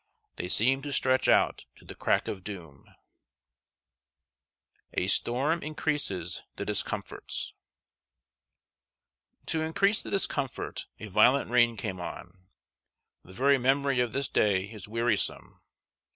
They seemed to stretch out to the crack of doom. [Sidenote: A STORM INCREASES THE DISCOMFORTS.] To increase the discomfort, a violent rain came on. The very memory of this day is wearisome.